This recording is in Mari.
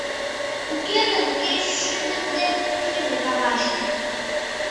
Уке гын кеч шӱдыр дек кӱзӧ кавашке